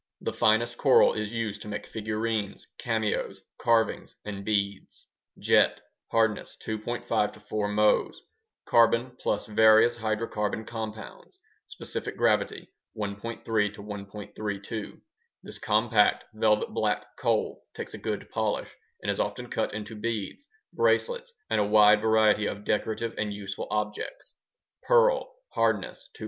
The finest coral is used to make figurines, cameos, carvings, and beads. Jet (hardness: 2.5 4 Mohs) Carbon plus various hydrocarbon compounds Specific gravity: 1.30 1.32 This compact velvet black coal takes a good polish and is often cut into beads, bracelets, and a wide range of decorative and useful objects. Pearl (hardness: 2.5 4.